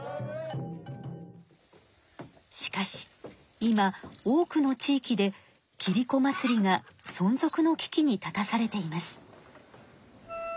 しかし今多くの地域でキリコ祭りがそん続の危機に立たされています。